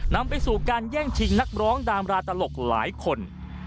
นำไปสู่การแย่งชิงนักร้องดามราตลกหลายคน